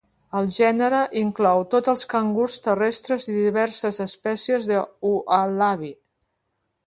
El gènere inclou tots els cangurs terrestres i diverses espècies de ualabi.